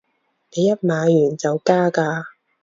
你一買完就加價